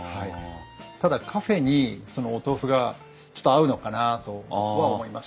ただカフェにそのお豆腐がちょっと合うのかなとは思いましたね。